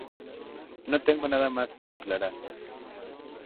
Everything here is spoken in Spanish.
No tengo nada más que declarar"".